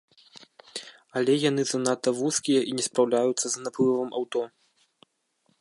Але яны занадта вузкія і не спраўляюцца з наплывам аўто.